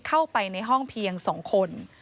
เข้าไปในห้องเพียง๒คน